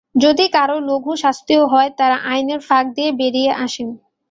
যদি কারও লঘু শাস্তিও হয়, তাঁরা আইনের ফাঁক দিয়ে বেরিয়ে আসেন।